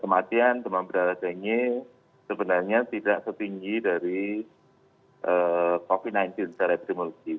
kematian demam berdarah denge sebenarnya tidak setinggi dari covid sembilan belas secara epidemiologi